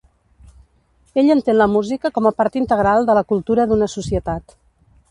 Ell entén la música com a part integral de la cultura d'una societat.